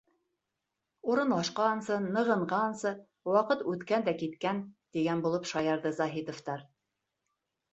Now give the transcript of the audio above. Урынлашҡансы, нығынғансы ваҡыт үткән дә киткән, тигән булып шаярҙы Заһитовтар.